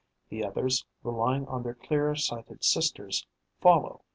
The others, relying on their clearer sighted sisters, follow.